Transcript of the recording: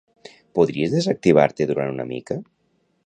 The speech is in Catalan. Podries desactivar-te durant una mica?